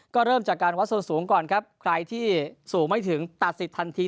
ก็เริ่มจากการวัดส่วนสูงก่อนครับใครที่สูงไม่ถึงตัดสิทธิทันที